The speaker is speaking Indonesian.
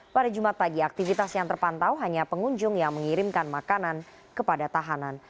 pada jumat pagi aktivitas yang terpantau hanya pengunjung yang mengirimkan makanan kepada tahanan